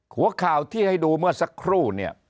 หัวข่าวที่ให้ดูเมื่อสักครู่เนี่ย